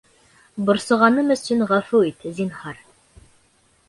Борсоғаным өсөн ғәфү ит, зинһар.